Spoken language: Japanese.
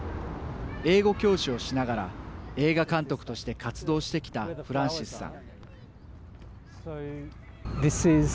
英語教師をしながら映画監督として活動してきたフランシスさん。